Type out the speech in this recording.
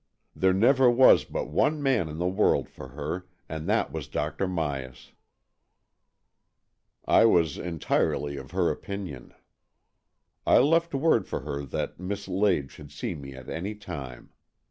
There never was but one man in the world for her, and that was Dr. Myas." I was entirely of her opinion. I left word with her that Miss Lade could see me at any time.